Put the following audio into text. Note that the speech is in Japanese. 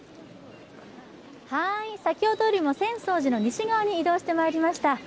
先ほどよりも浅草寺の西側に移動してまいりました。